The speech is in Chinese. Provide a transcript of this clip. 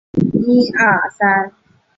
父徐灏。